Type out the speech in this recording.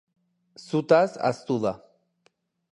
Zutaz ahaztu da.